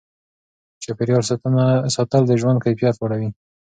چاپیریال ساتل د ژوند کیفیت لوړوي.